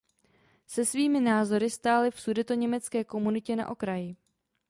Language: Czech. Se svými názory stáli v sudetoněmecké komunitě na okraji.